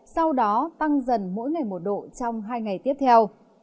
sau đó tăng dần mỗi ngày một độ trong hai ngày tiếp theo